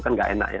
kan nggak enak ya